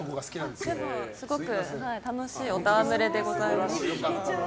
でも、すごく楽しいお戯れでございました。